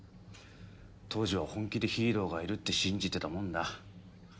当時は本気でヒーローがいるって信じてたもんだ。